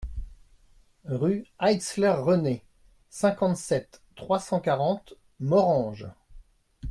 Rue Heitzler René, cinquante-sept, trois cent quarante Morhange